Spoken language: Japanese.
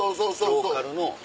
ローカルの。